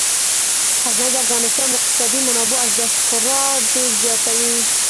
غزني د افغانستان د اقتصادي منابعو ارزښت خورا ډیر زیاتوي.